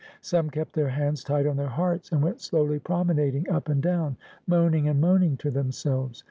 Some kept their hands tight on their hearts, and went slowly promenading up and down, moaning and moaning to themselves.